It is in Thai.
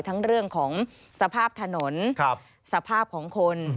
ทั้งเรื่องของสภาพถนนสภาพของคน